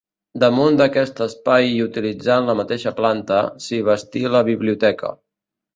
Damunt d'aquest espai i utilitzant la mateixa planta, s'hi bastí la biblioteca.